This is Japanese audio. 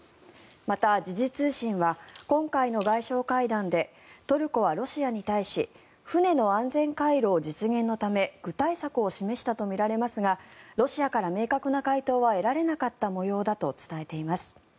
また、時事通信は今回の外相会談でトルコはロシアに対し船の安全回廊実現のため具体策を示したとみられますがロシアから明確な回答は得られなかった模様だと伝えています。